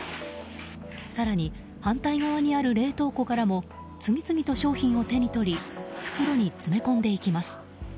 更に反対側にある冷凍庫からも次々と商品を手に取り袋に詰め込んでいきます。